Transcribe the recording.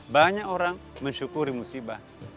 banyak orang mensyukuri musibah